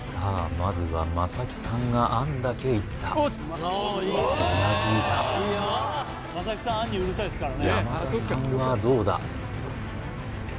まずは正木さんが餡だけいったうなずいた山田さんはどうだ？